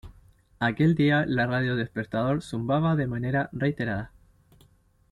Aquel día la radio despertador zumbaba de manera reiterada